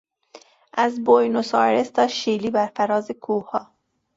از بوینوس آیرس تا شیلی برفراز کوهها